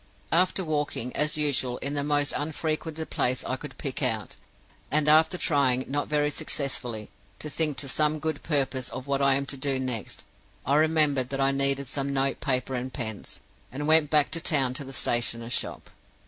"After walking, as usual, in the most unfrequented place I could pick out, and after trying, not very successfully, to think to some good purpose of what I am to do next, I remembered that I needed some note paper and pens, and went back to the town to the stationer's shop.